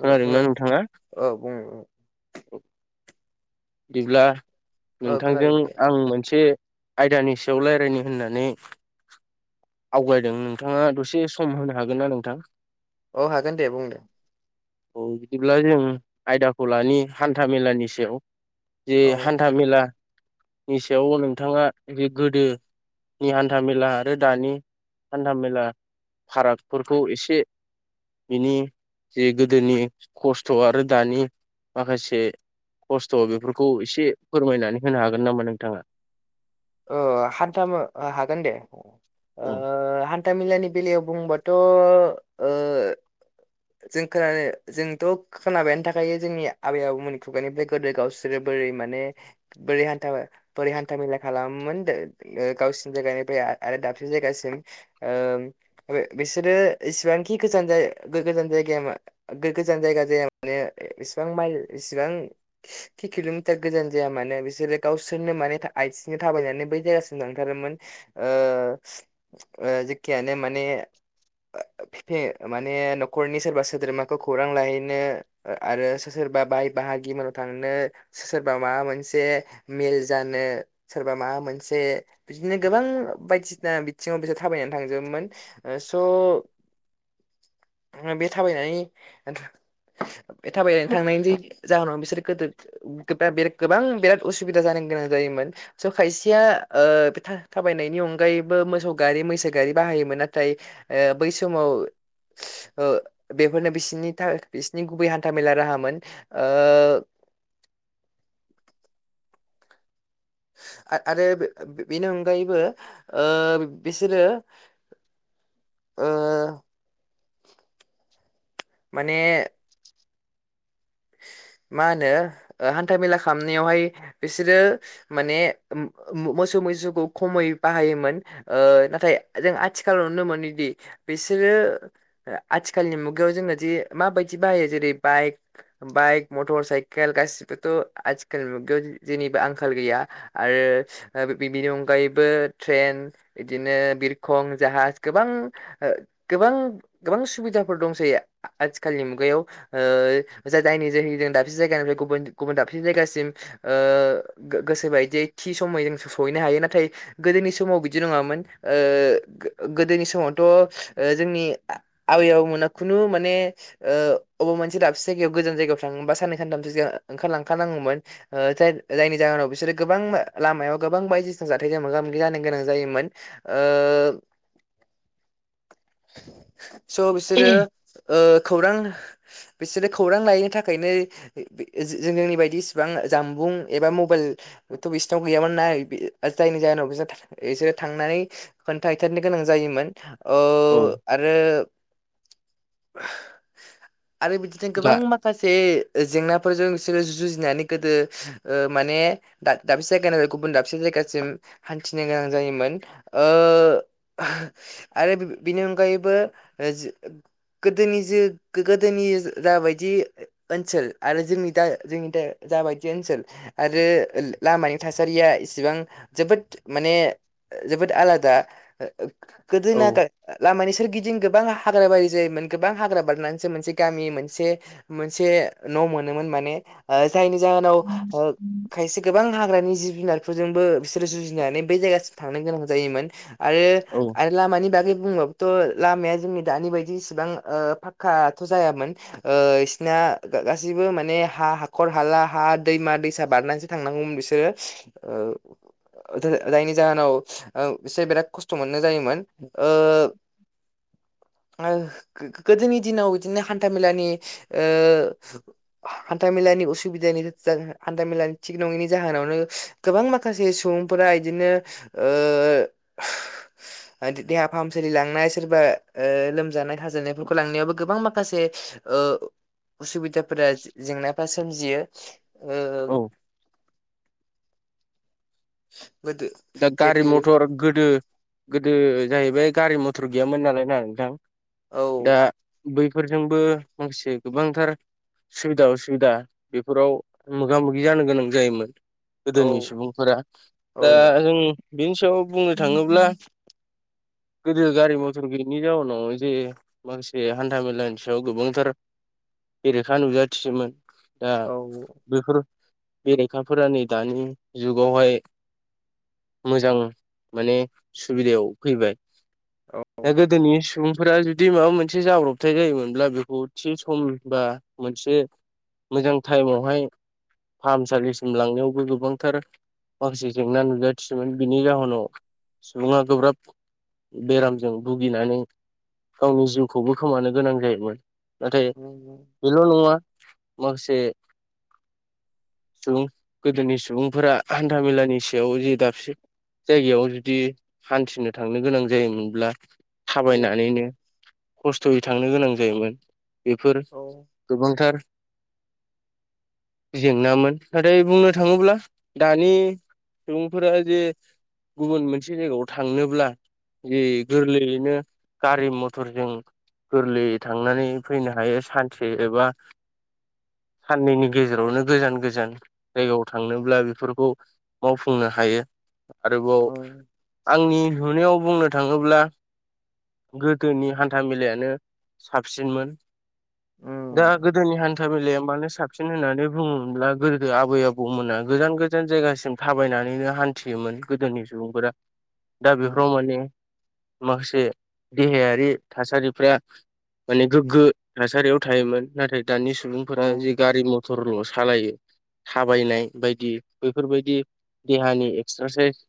खोनादोंना नोंथाङा? बिदिब्ला औ नोंथांजों खोनादों दे आं मोनसे आयदानि सायाव रायज्लायनो होननानै आवगायदों नोंथाङा दसे सम होनो हागोन ना नोंथां? अ हागोन दे बुंदो। औ बिदिब्ला जों आयदाखौ लानि हान्था मेलानि सायाव। जे औ हानथा मेलानि सायाव नोंथाङा जे गोदो नि हान्थामेला आरो दानि हान्था मेला फारागफोरखौ एसे बिनि जे गोदोनि खस्थ' आरो दानि माखासे खस्थ' बेफोरखौ एसे फोरमायनानै होनो हागोन नामा नोंथाङा? ओ हान्थाम हागोन दे ओ औ हा नथा मेलानि बेलायाव बुंबाथ' ओ जों खोनानो जोंथ' खोनाबायानो थाखायो जोंनि आबै आबौमोननि खुगानिफ्राय गोदो गावसोरो बोरै माने बोरै हान्था बोरै हान्था मेला खालामोन गावसिनि जायगायनिफ्राय आरो दाबसे जायगासिम ओ बे बिसोरो एसेबांखि गोजान जा जान गोजान जायगाया गोजान जायगा जाया मानो इसेबां माइल इसेबां किल'मिटार गोजान जाया मानो बिसोरो गावसोरनो माने आथिंजों थाबायनानै बै जायगासिम थांथारोमोन। ओ ओ जिखियानो माने [inaudible] माने नख'रनि सोरबा सोद्रोमाखौ खौरां लाहैनो आरो सोरबा बाय बाहागि मोनाव थांनो सोरबा माबा मोनसे मेल जानो सोरबा माबा मोनसे बिदिनो गोबां। बायदिसिना बिथिङाव बिसोर थाबायनानै थांजबोमोन स' बे थाबायनानै बे थाबायनानै थांनायनि जि जाहोनाव बिसोर गोदो गोबां बिब बिराद उसुबिदा जानो गोनां जायोमोन स खायसेया ओ थाबायनायनि अनायैबो मोसौ गारि मैसो गारि बा योमोन नाथाय ओ बै समाव ओ बेफोरनो बिसिनि थाखाय बिसिनि गुबै हान्थामेला राहामोन ओ [inaudible] आरो बेनि अनगायैबो ओ बिसोरो ओ माने [inaudible] मा होनो ओ हान्था मेला खालामनायावहाय बिसोरो माने मो-मोसौ मैसोखौ खमै बाहायोमोन ओ नाथाय जों आथिखालाव नुनो मोनोदि बेसोरो आथिखालनि मुगायाव जोंना जे माबायदि बाहायो जेरै बाइक बाइक मटर साइकेल गासिबोथ' आथिखालनि मुगायाव जेनिबो आंखाल गैया आरो बिनि अनगायैबो ट्रेन बिदिनो बिरखं जाहाज गोबां गोबां गोबां सुबिदाफोर दंसै आथिखालनि मुगायाव ओ जायनि जोंनि जों दाबसे जायगानिफ्राय गुबुन गुबुन दाबसे ओ जायगासिम गोसोबायदियै थि समयै जों सहैनो हायो नाथाय गोदोनि समाव बिदि नङामोन ओ गोदोनि समावथ' जोंनि आबै आबौमोना खुनु माने ओ अबे मोनसे दाबसे गोजान जायगायाव थाङोबा साननै सानथामसो सिगाङाव ओंखारलांखा नांगौन जाय ओ जायनि जाहोनाव बिसोरो गोबां लामायाव गोबां बायदिसिना जाथायजों मोगा मोगि जानो गोनां जायोमोन ओ [inaudible] स बिसोरो ओ खौरां बिसोरो खौरां लायैनि थाखायनो जोंनि बायदि इसिबां जानबुं एबा मबाइल बिसिनाव गैयामोन ना जायनि जाहोनाव बिसोर बिसोरो थांनानै खोन्थाहैथारनो गोनां जायोमोन। ओ औ आरो आरो जों दा गोबां माखासे जेंनाफोरजों बिसोरो जुजिनानै गोदो ओ माने दाबसे जायगायानो गुबुन दाबसे जाय गायाव हान्थिनो गोनां जायोमोन ओ आरो बिनि अनगायै बो गोदोनि जो-जाबायदि ओनसोल आरो जोंनि दा जोंनि दा जाबायदि ओनसोल आरो लामानि थासारिया इसेबां जोबोद माने जोबोद आलादा गोदोना औ लामानि सोरगिदिं गोबां हाग्राबारि जायोमोन गोबां हाग्रा बारनानैसो मोनसे गामिमोन से मोनसे न' मोनोमोन माने ओ जायनि जाहोनाव ओ खायसे गोबां हाग्रानि जिब जुनारफोरजोंबो बिसोरो जुजिनानै बै जायगासिम थांनो गोनां जायोमोन। औ आरो लामानि बागै बुंबाबोथ' लामाया जोंनि दानि बायदि इसिबां फाखक्काथ' जायामोन ओ इसिना गासैबो माने हा हाखर हाला हा दैमा दैसा बारनानैसो थांनांगौमोन। बिसोरो ओ जायनि जाहोनाव एसे बिराद खस्थ' मोननाय जायोमोन ओ ओ गोदोनि दिनाव बिदिनो हान्थाामेलानि ओ हान्थामेलानि उसुबिदानि हान्थामेलानि थिग नङैनि जाहोनाव गोबां माखासे सुबुंफोरा बिदिनो ओ देहा फाहामसालि लांनाय सोरबा ओ लोमजानाय साजानायफोरखौ लांनायावबो गोबां माखासे ओ उसुबिदाफोरा जेंनाफ्रा सोमजियो ओ औ [inaudible] दा गारि जेरै मथर गोदो गोदो जाहैबाय गारि मथर गैयामोन नालाय ना नोंथां औ दा बैफोरजोंबो माखासे गोबांथार सुबिदा उसुबिदा बेफोराव मोगा मोगि जानो गोनां जायोमोन। औ गोदोनि सुबुंफोरा औ दा बिनि सायाव बुंनो थाङोब्ला [inaudible] गोदो गारि मथर गैयैनि जाउनाव जे माखासे हान्था मेलानि सायाव गोबांथार बेरेखा नुजाथियोमोन दा औ बेफोर बेरेखाफोरा नै दानि जुगावहाय मोजां माने सुबिदायाव फैबाय दा गोदोनि सुबुं जुदि माबा मोनसे जाब्रबथाय जायोमोनब्ला बेखौ थि सम बा मोनसे मोजां टाइमआवहाय फाहामसालिसिम लांनायावबो गोबांथार माखासे जेंना नुजायो। सोमोन बिनि जाहोनाव सुबुङा गोब्राब बेरामजों भुगिनानै गावनि जिउखौबो खोमानो गोनां जायोमोन नाथाय औ बेल' नङा माखासे सुबुं गोदोनि सुबुंफोरा हान्थामेलानि सायाव दाबसे जायगायाव जुदि हान्थिनो थांनो गोनां जायोमोनब्ला थाबायनानैनो खस्थ'यै थांनो गोनां जायोमोन बेफोर औ गोबांथार जेंनामोन नाथाय बुंनो थाङोब्ला दानि जे गुबुन मोनसे जायगायाव थांनोब्ला जि गोरलैयैनो गारि मथरजों गोरलैयै थांनानै फैनो हायो सानसे एबा [inaudible] साननैनि गेजेरावनो गोजान गोजान जायगायाव थांनोब्ला बेफोरखौ मावफुंनो हायो आरोबाव औ आंनि नुनायाव बुंनो थाङोब्ला गोदोनि हान्था मेलायानो साबसिनमोन। [inaudible] दा गोदोनि हान्था मेलाया मानो साबसिन होननानै बुङोब्ला गोदो आबै आबौमोना गोजान गोजान जायगासिम थाबायनानैनो हान्थियोमोन गोदोनि सुबुंफोरा दा औ बेफोराव माने माखासे देहायारि थासारिफ्रा माने गोग्गो थासारियाव थायोमोन नाथाय दानि औ सुबुंफोरा जे गारि मथरल'सो सालायो थाबायनाय बायदि बैफोरबायदि देहानि एक्सारसाइस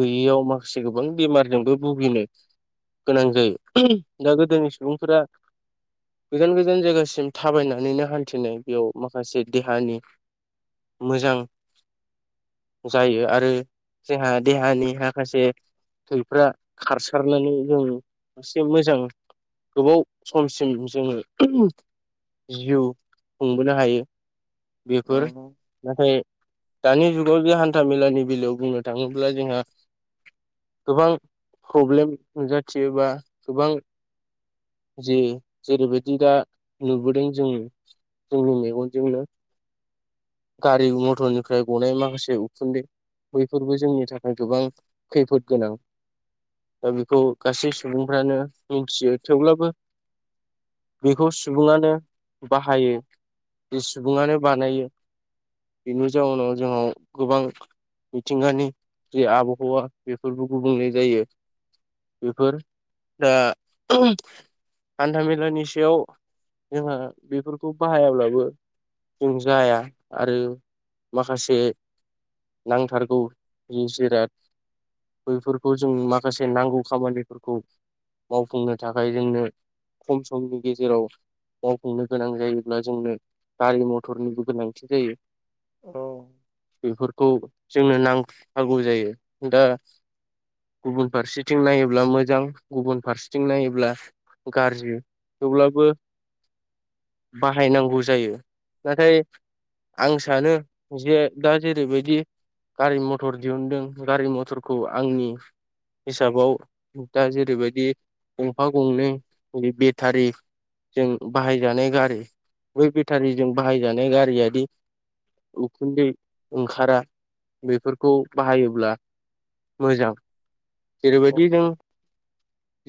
गैयियाव माखासे गोबां बेमारजोंबो भुगिनो गोनां जायो दा गोदोनि सुबुंफोरा गोजान गोजान जायगासिम थाबायनानैनो हान्थिनाय बेयाव माखासे देहानि मोजां जायो आरो जोंहा देहानि माखासे थैफ्रा खारसारनानै जों एसे मोजां गोबाव समसिम जोङो जिउ खुंबोनो हायो। बेफोर नाथाय दानि जुगाव बे हान्था मेलानि बेलायाव बुंनो थाङोब्ला जोंहा गोबां प्रब्लेम नुजाथियो बा गोबां जे जेरैबायदि दा नुबोदों जों जोंनि मेगनजोंनो गारि मटरनिफ्राय गनाय माखासे उखुन्दै बैफोरबो जोंनि थाखाय गोबां खैफोद गोनां दा बेखौ गासै सुबुंफ्रानो मिथियो थेवब्लाबो बेखौ सुबुङानो बाहायो जि सुबुङानो बानायो बेनि जाउनाव जों गोबां मिथिंगानि जे आबहावा बेफोरबो गुबुंले जायो बेफोर दा हान्थामेलानि सायाव जोंहा बेफोरखौ बाहायाब्लाबो जों जाया आरो माखासे नांथारगौ नि जिराद बैफोरखौ जों माखासे नांगौ खामानिफोरखौ मावफुंनो थाखाय जोंनो खम समनि गेजेराव मावफुंनो गोनां जायोब्ला जोंनो गारि मथरनिबो गोनांथि जायो औ खौ जोंनो नांथारगौ जायो दा गुबुन फारसेथिं नायोब्ला मोजां गुबुन फारसेथिं नायोब्ला गाज्रि थेवब्लाबो बाहायनांगौ जायो नाथाय आं सानो जे दा जेरैबाय दि गारि मथर दिहुनदों गारि मथरखौ आंनि हिसाबाव दा जेरैबायदि गंफा गंनै बे बेटारि जों बाहायजानाय गारि बै बेटारिजों बाहायजानाय गारियादि उखुन्दै ओं खारा बेफोरखौ बाहायोब्ला मोजां जेरै बायदि नों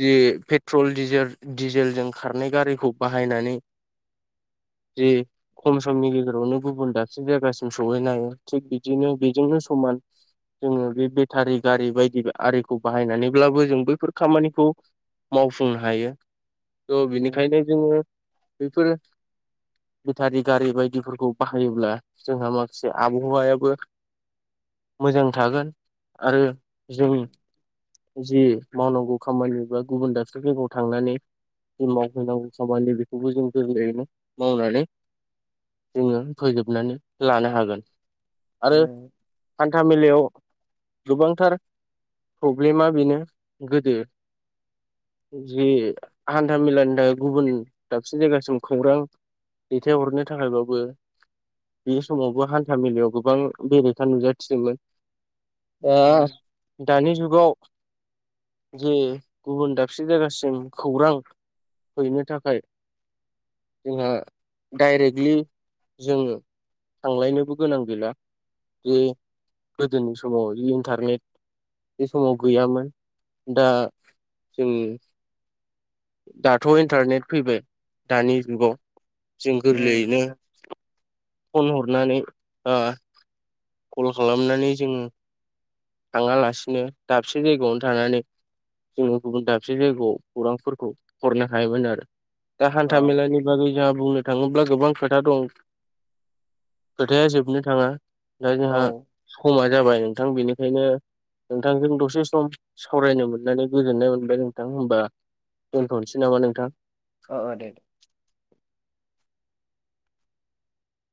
जि पेट्रल डिजेल डिजेलजों खारनाय गारिखौ बाहायनानै दि खम समनि गेजेरावनो गुबुन दाबसे जायगासिम सहैनो हायो थिग बिदिनो बेजोंनो समान जोङो बे बेटारि गारि बायदि आरिखौ बाहायनानैब्लाबो जों बैफोर खामानिखौ मावफुंनो हायो थ बिनिखायनो जोङो बेैफोर बेटारि गारि बायदिफोरखौ बाहायोब्ला जोंहा माखासे आब हावायाबो मोजां थागोन आरो जों जि मावनांगौ खामानि बा गुबुन दाबसे जायगायाव थांनानै जों मावहैनांगौ खामानि बेखौबो जों गोरलैयैनो मावनानै जोङो फोजोबनानै लानो हागोन आरो हान्था मेलायाव गोबांथार प्रब्लेमा बेनो गोदो जि हान्था मेलानि थाखाय गुबुन दाबसे जायगासिम खौरां दैथायहरनो थाखायबाबो बे समावबो हान्था मेलायाव गोबां बेरेखा नुजाथिदोंमोन दा दानि जुगाव [inaudible] जे गुबुन दाबसे जायगासिम खौरां हैनो थाखाय जोंहा डाइरेक्टलि जोङो थांलायनोबो गोनां गैला जे गोदोनि समाव इन्टारनेट बे समाव गैयामोन दा जों दाथ' इन्टारनेट फैबाय दानि जुगाव जों गोरलैयैनो फन हरनानै ओ कल खालामनानै जोङो थाङालासिनो दाबसे जायगायावनो थानानै जोङो गुबुन दाबसे जायगायाव खौरांफोरखौ हरनो हायोमोन आरो दा हान्था मेलानि बागै जोंहा बुंनो थाङोब्ला गोबां खोथा दं खोथाया जोबनो थाङा दा जोंहा समा जाबाय नोंथां बेनिखायनो नोंथांजों दसे सम सावरायनो मोननानै गोजोननाय मोनबाय नोंथां होमबा दोनथ'नोसै नामा नोंथां औ दे